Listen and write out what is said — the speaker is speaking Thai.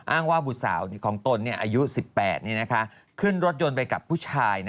อ้างว่าบุตรสาวของตนอายุ๑๘ขึ้นรถยนต์ไปกับผู้ชาย